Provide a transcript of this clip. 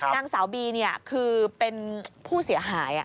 นางสาวบีเนี่ยคือเป็นผู้เสียหายอ่ะ